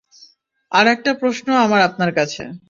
আর, একটা প্রশ্ন আমার আপনার কাছে।